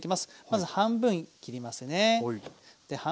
まず半分切りますね。